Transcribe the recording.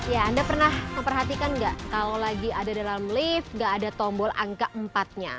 ya anda pernah memperhatikan nggak kalau lagi ada dalam lift gak ada tombol angka empat nya